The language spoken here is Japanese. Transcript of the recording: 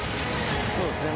そうですね。